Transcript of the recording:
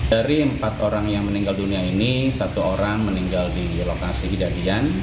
dari empat orang yang meninggal dunia ini satu orang meninggal di lokasi kejadian